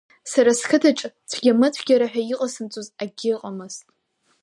Сара сқыҭаҿы цәгьа-мыцәгьара ҳәа иҟасымҵоз акгьы ыҟамызт.